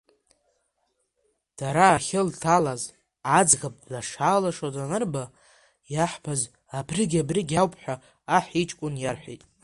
Дара ахьылҭалаз, аӡӷаб длаша-лашо данырба, иаҳбаз абригь-абригь ауп ҳәа аҳ иҷкәын иарҳәеит.